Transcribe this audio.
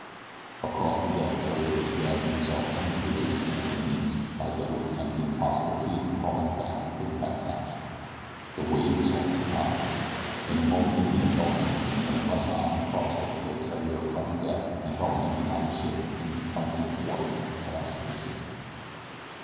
Across the deck Theriere was dragging himself painfully to his hands and knees, as though to attempt the impossible feat of crawling back to the cabin hatch. The wave was almost upon Billy. In a moment it would engulf him, and then rush on across him to tear Theriere from the deck and hurl him beyond the ship into the tumbling, watery, chaos of the sea.